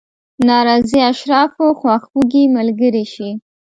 ناراضي اشرافو خواخوږي ملګرې شي.